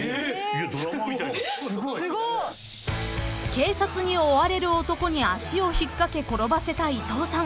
［警察に追われる男に足を引っかけ転ばせた伊藤さん］